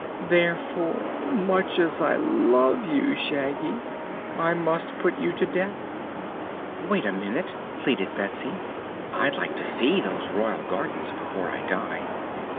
Therefore, much as I love you, Shaggy, I must put you to death." "Wait a minute," pleaded Betsy. "I'd like to see those Royal Gardens before I die."